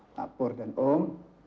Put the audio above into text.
pak pur dan om